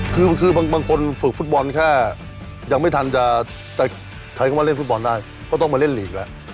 คือบางคนฝึกฟุตบอลแค่ยังไม่ทันจะใช้คำว่าเล่นฟุตบอลได้ก็ต้องมาเล่นลีกแล้ว